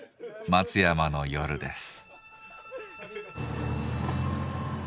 松山の夜です。